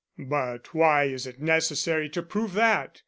"But why is it necessary to prove that?"